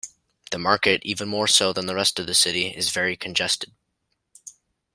The market, even more so than the rest of the city, is very congested.